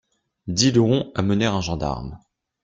Dix lurons amenèrent un gendarme.